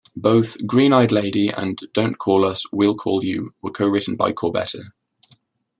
Both "Green-Eyed Lady" and "Don't Call Us, We'll Call You" were co-written by Corbetta.